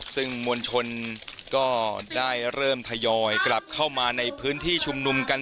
ซึ่งมวลชนก็ได้เริ่มทยอยกลับเข้ามาในพื้นที่ชุมนุมกัน